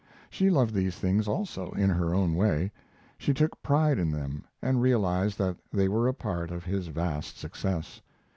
She loved these things also, in her own way. She took pride in them, and realized that they were a part of his vast success.